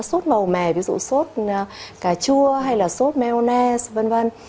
sốt màu mè ví dụ sốt cà chua hay là sốt mel v v